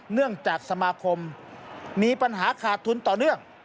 เนื่องจากสมาคมมีปัญหาขาดทุนต่อเนื่อง